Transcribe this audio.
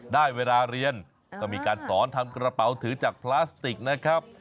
ได้เวลาเรียนก็มีการสอนทำกระเป๋าถือจากพลาสติกนะครับ